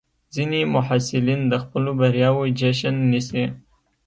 ځینې محصلین د خپلو بریاوو جشن نیسي.